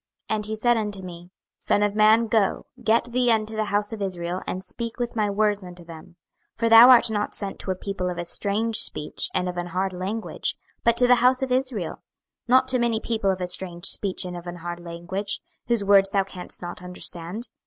26:003:004 And he said unto me, Son of man, go, get thee unto the house of Israel, and speak with my words unto them. 26:003:005 For thou art not sent to a people of a strange speech and of an hard language, but to the house of Israel; 26:003:006 Not to many people of a strange speech and of an hard language, whose words thou canst not understand.